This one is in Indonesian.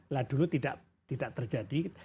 lah dulu tidak terjadi